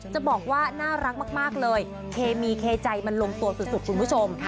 จะบอกว่าน่ารักมากเลยเคมีเคใจมันลงตัวสุดคุณผู้ชม